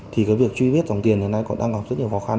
thì cái việc truy vết dòng tiền hiện nay còn đang gặp rất nhiều khó khăn